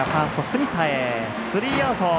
スリーアウト。